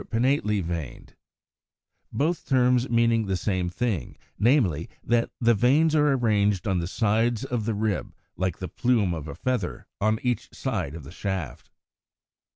e. Pinnately veined; both terms meaning the same thing, namely, that the veins are arranged on the sides of the rib like the plume of a feather on each side of the shaft.